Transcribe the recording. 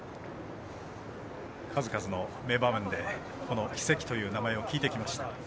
数々の名場面でこのキセキという名前を聞いてきました。